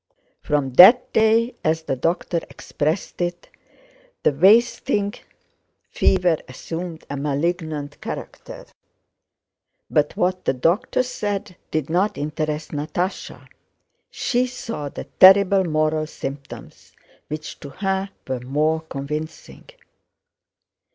From that day, as the doctor expressed it, the wasting fever assumed a malignant character, but what the doctor said did not interest Natásha, she saw the terrible moral symptoms which to her were more convincing.